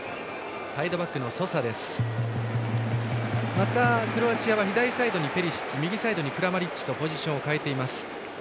また、クロアチアは左サイドにペリシッチ右サイドにクラマリッチとポジションを変えています。